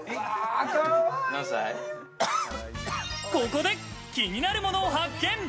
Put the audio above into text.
ここで気になるものを発見。